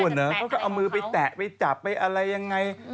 เขาก็เอามือไปแตะไปจับไปอะไรยังไง